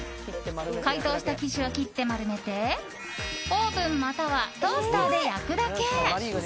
解凍した生地を切って、丸めてオーブンまたはトースターで焼くだけ。